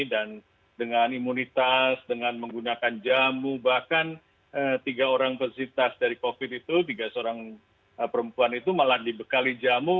dan dengan imunitas dengan menggunakan jamu bahkan tiga orang presidens dari covid itu tiga seorang perempuan itu malah dibekali jamu